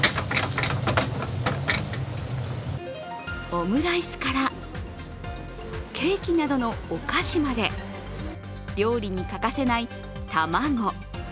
オムライスからケーキなどのお菓子まで料理に欠かせない卵。